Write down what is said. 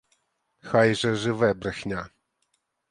Хай же живе брехня!